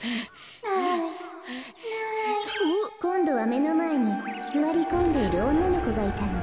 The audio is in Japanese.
かいそうこんどはめのまえにすわりこんでいるおんなのこがいたの。